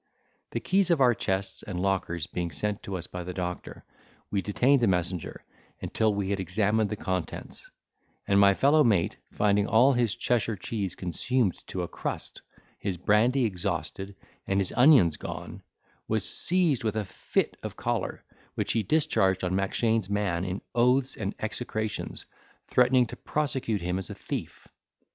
The keys of our chests and lockers being sent to us by the doctor, we detained the messenger until we had examined the contents; and my fellow mate, finding all his Cheshire cheese consumed to a crust, his brandy exhausted, and his onions gone, was seized with a fit of choler, which he discharged on Mackshane's man in oaths and execrations, threatening to prosecute him as a thief.